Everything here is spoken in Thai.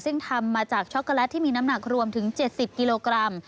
ซึ่งทำมาจากช็อกโกแลตที่มีน้ำหนักรวมถึง๗๐กิโลกรัม